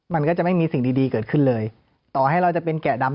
มันก็จะไม่มีสิ่งดีเกิดขึ้นเลยต่อให้เราจะเป็นแกะดำ